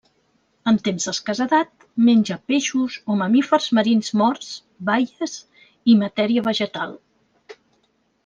En temps d'escassedat, menja peixos o mamífers marins morts, baies i matèria vegetal.